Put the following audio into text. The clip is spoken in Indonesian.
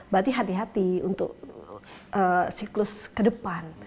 berarti hati hati untuk siklus ke depan